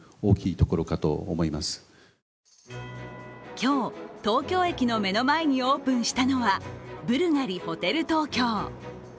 今日、東京駅の目の前にオープンしたのは、ブルガリホテル東京。